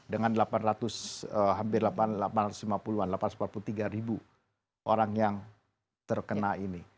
dengan delapan ratus hampir delapan ratus lima puluh an delapan ratus empat puluh tiga ribu orang yang terkena ini